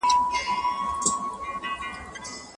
پوهانو ویلي چي شاګردانو ته د علمي مخالفت پوره حق ورکړئ.